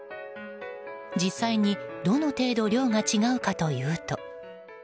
実際に、どの程度量が違うかというと。